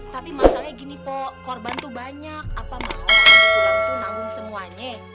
tapi masalahnya gini po korban tuh banyak apa mau haji sulam tuh nanggung semuanya